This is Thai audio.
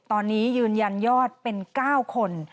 ตอนนี้ยืนยันยอดเป็น๙คน